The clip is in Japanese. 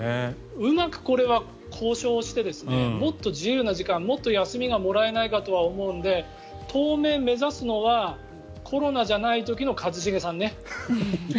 うまくこれは交渉してもっと休みがもらえないかと思うので当面、目指すのはコロナじゃない時の一茂さんね。